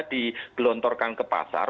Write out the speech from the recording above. digelontorkan ke pasar